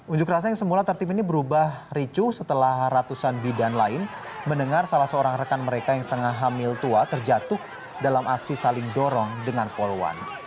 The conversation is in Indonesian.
unjuk rasa yang semula tertib ini berubah ricuh setelah ratusan bidan lain mendengar salah seorang rekan mereka yang tengah hamil tua terjatuh dalam aksi saling dorong dengan polwan